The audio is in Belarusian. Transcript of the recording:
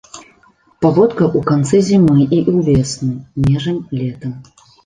Паводка ў канцы зімы і ўвесну, межань летам.